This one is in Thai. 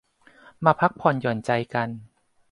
มาพักผ่อนหย่อนใจกัน